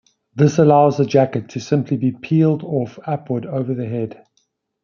This allows the jacket to simply be peeled off upward over the head.